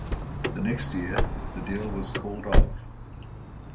The next year the deal was called off.